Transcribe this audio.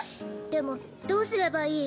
でもどうすればいい？